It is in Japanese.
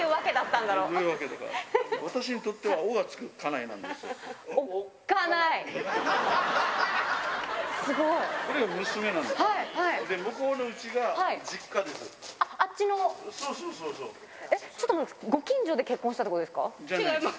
えっ、ちょっと待ってください、ご近所で結婚したってことですか？